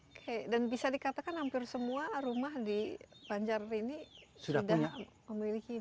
oke dan bisa dikatakan hampir semua rumah di banjar rini sudah memiliki ini ya